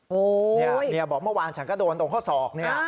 เมียบอกว่าเมื่อวานฉันก็โดนตรงข้อศอก